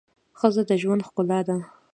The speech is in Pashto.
ښځه د ژوند ښکلا ده.